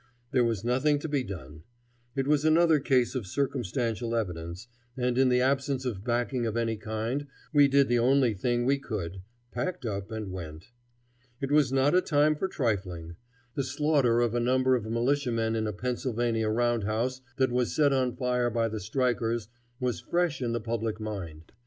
There was nothing to be done. It was another case of circumstantial evidence, and in the absence of backing of any kind we did the only thing we could; packed up and went. It was not a time for trifling. The slaughter of a number of militiamen in a Pennsylvania round house that was set on fire by the strikers was fresh in the public mind.